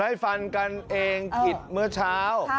ให้ฟันกันเองผิดเมื่อเช้า